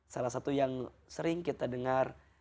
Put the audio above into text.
salah satu yang sering kita dengar